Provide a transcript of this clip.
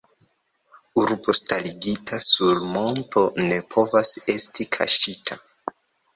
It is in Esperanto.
Urbo starigita sur monto ne povas esti kaŝita.